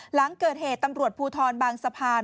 หลังเกิดเหตุตำรวจภูทรบางสะพาน